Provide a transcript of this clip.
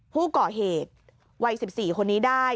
ผู้ก่อเหตุวัย๑๔คนนี้ได้